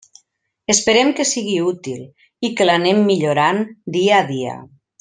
Esperem que sigui útil i que l'anem millorant dia a dia.